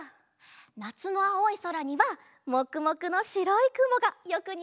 なつのあおいそらにはもくもくのしろいくもがよくにあうよね。